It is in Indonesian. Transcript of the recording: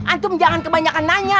antum jangan kebanyakan nanya